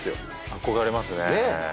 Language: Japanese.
憧れますねねえ